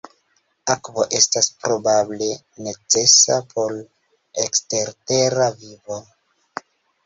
Akvo estas probable necesa por ekstertera vivo.